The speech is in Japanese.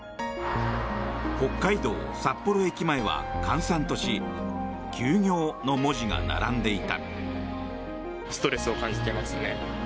北海道・札幌駅前は閑散とし休業の文字が並んでいた。